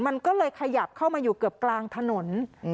มันก็เลยขยับเข้ามาอยู่เกือบกลางถนน